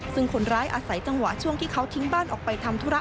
ซึ่งคนร้ายอาศัยจังหวะช่วงที่เขาทิ้งบ้านออกไปทำธุระ